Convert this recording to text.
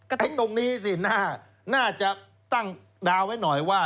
ไอ้ตรงนี้สิน่าจะตั้งดาวไว้หน่อยว่า